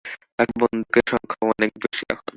তাদের বন্দুকের সংখ্যাও অনেক বেশী এখন।